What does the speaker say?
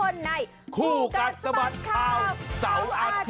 ในขู้กัดสะบัดข่าว